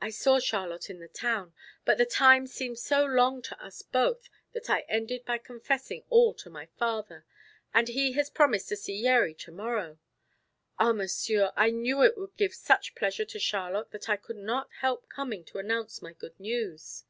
I saw Charlotte in the town; but the time seemed so long to us both that I ended by confessing all to my father, and he has promised to see Yeri tomorrow. Ah, Monsieur, I knew it would give such pleasure to Charlotte that I could not help coming to announce my good news."